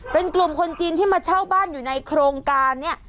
เป็นกลุ่มคนจีนที่มาเช่าบ้านอยู่ในโครงการเนี่ย